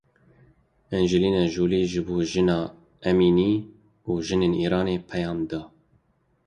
Angelina Jolie ji bo Jîna Emînî û jinên Îranê peyam da.